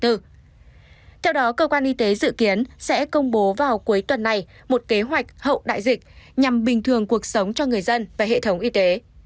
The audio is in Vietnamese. theo đó cơ quan y tế dự kiến sẽ công bố vào cuối tuần này một kế hoạch hậu đại dịch nhằm bình thường cuộc sống cho người dân và hệ thống y tế